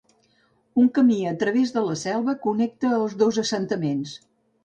Un camí a través de la selva connecta els dos assentaments.